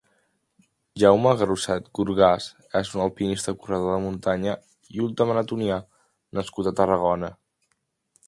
Jaume Garrosset Gorgas és un alpinista, corredor de muntanya i ultramaratonià nascut a Tarragona.